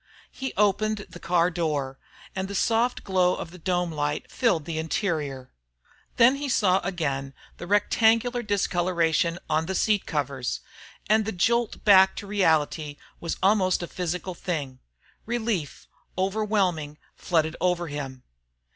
He opened the car door, and the soft glow of the dome light filled the interior. Then he saw again the neat rectangular discoloration on the seat covers, and the jolt back to reality was almost a physical thing. Relief, overwhelming, flooded over him.